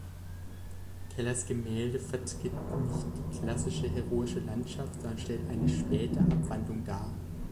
Kellers Gemälde vertritt nicht die klassische heroische Landschaft, sondern stellt eine späte Abwandlung dar.